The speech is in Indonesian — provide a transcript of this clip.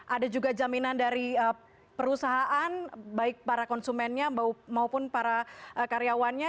ada juga jaminan dari perusahaan baik para konsumennya maupun para karyawannya